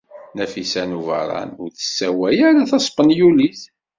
Nafisa n Ubeṛṛan ur tessawal ara taspenyulit.